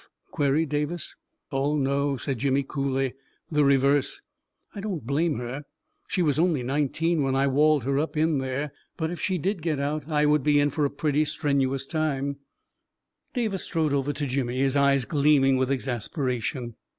" queried Davis. " Oh, no !" said Jimmy, coolly. " The reverse ! I don't blame her — she was only nineteen when I walled her up in there I But if she did get out, I would be in for a pretty strenuous time." 322 A KING IN BABYLON Davis strode over to Jimmy, his eyes gleaming with exasperation.